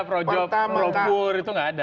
pro job pro bur itu gak ada